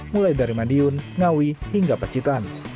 mulai dari mandiun ngawi hingga pecitan